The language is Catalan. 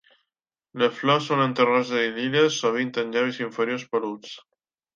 Les flors són entre roses i liles, sovint amb llavis inferiors peluts.